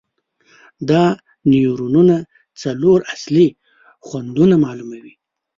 دا نیورونونه څلور اصلي خوندونه معلوموي.